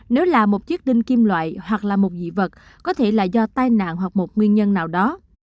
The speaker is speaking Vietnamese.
nếu là một chiếc tinh kim loại hoặc là một dị vật có thể là do tai nạn hoặc một nguyên nhân nào đó